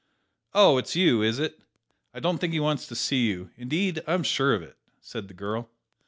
"Oh, it's you, is it? I don't think he wants to see you; indeed, I'm sure of it," said the girl.